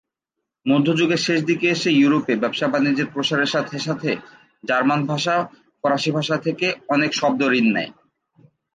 মধ্যযুগের শেষ দিকে এসে ইউরোপে ব্যবসা বাণিজ্যের প্রসারের সাথে সাথে জার্মান ভাষা ফরাসি ভাষা থেকে অনেক শব্দ ঋণ নেয়।